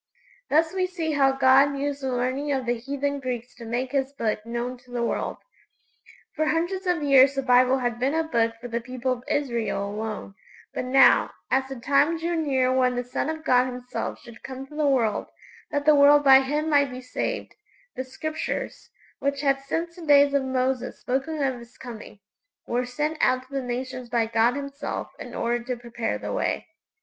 Thus we see how God used the learning of the heathen Greeks to make His Book known to the world! For hundreds of years the Bible had been a Book for the people of Israel alone; but now, as the time drew near when the Son of God Himself should come to the world that the world by Him might be saved the Scriptures, which had since the days of Moses spoken of His coming, were sent out to the nations by God Himself in order to prepare the way.